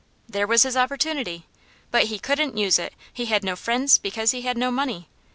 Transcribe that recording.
There was his opportunity. But he couldn't use it; he had no friends, because he had no money.